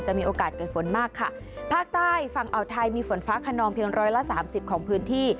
มีโอกาสเกิดฝนมากค่ะภาคใต้ฝั่งอ่าวไทยมีฝนฟ้าขนองเพียงร้อยละสามสิบของพื้นที่